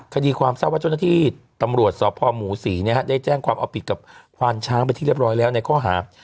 คดีความทราบว่าเจ้าหน้าที่ตำรวจสพหมูศรีได้แจ้งความเอาผิดกับควานช้างไปที่เรียบร้อยแล้วในข้อหา